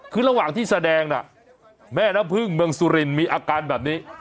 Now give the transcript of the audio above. คือระหว่างที่แสดงน่ะแม่น้ำพึ่งเมืองสุรินมีอาการแบบนี้